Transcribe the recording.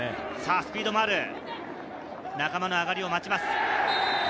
スピードもある林、仲間の上がりを待ちます。